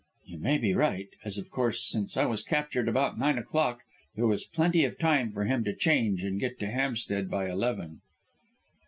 "You may be right, as, of course, since I was captured about nine o'clock, there was plenty of time for him to change and get to Hampstead by eleven."